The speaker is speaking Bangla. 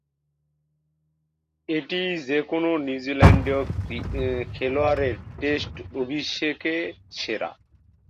এটিই যে-কোন নিউজিল্যান্ডীয় খেলোয়াড়ের টেস্ট অভিষেকে সেরা।